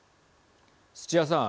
土屋さん。